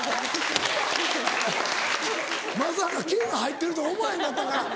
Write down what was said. まさか毛が入ってると思わへんかったから。